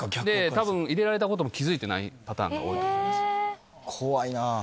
たぶん入れられたことに気付いてないパターンが多いと思いま怖いなぁ。